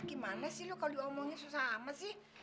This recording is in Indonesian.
gimana sih lo kalo diomongnya susah amat sih